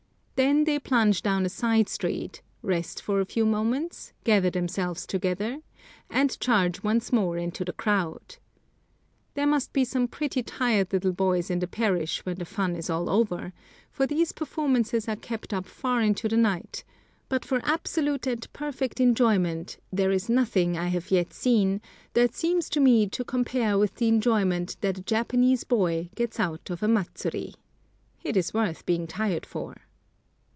Then they plunge down a side street, rest for a few moments, gather themselves together, and charge once more into the crowd. There must be some pretty tired little boys in the parish when the fun is all over, for these performances are kept up far into the night; but for absolute and perfect enjoyment there is nothing I have yet seen that seems to me to compare with the enjoyment that a Japanese boy gets out of a matsuri. It is worth being tired for!